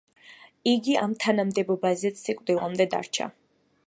იგი ამ თანამდებობაზეც სიკვდილამდე დარჩა.